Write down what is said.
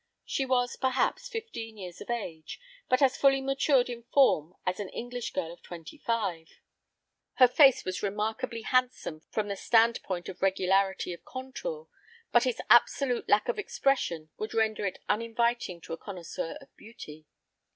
She was, perhaps, fifteen years of age, but as fully matured in form as an English girl of twenty five. Her face was remarkably handsome from the standpoint of regularity of contour, but its absolute lack of expression would render it uninviting to a connoisseur of beauty.